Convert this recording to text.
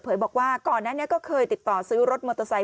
บอกว่าก่อนนั้นก็เคยติดต่อซื้อรถมอเตอร์ไซค